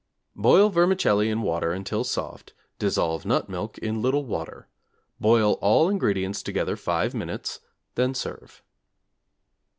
Boil vermicelli in water until soft, dissolve nut milk in little water. Boil all ingredients together 5 minutes, then serve.